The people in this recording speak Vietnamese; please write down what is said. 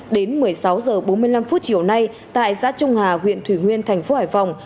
đến một mươi sáu h bốn mươi năm chiều nay tại xã trung hà huyện thủy nguyên thành phố hải phòng